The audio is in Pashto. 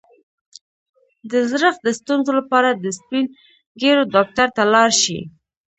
د زړښت د ستونزو لپاره د سپین ږیرو ډاکټر ته لاړ شئ